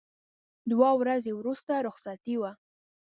دوه ورځې وروسته رخصتي وه.